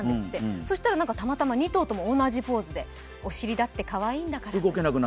そしたらなんかたまたま２頭とも同じポーズで、おしりだってかわいいんだから。